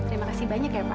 terima kasih banyak ya pak